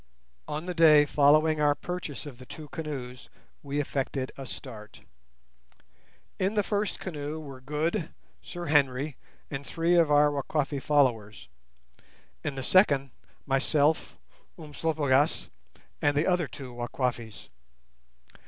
On the day following our purchase of the two canoes we effected a start. In the first canoe were Good, Sir Henry, and three of our Wakwafi followers; in the second myself, Umslopogaas, and the other two Wakwafis.